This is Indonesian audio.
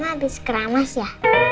habis keramas ya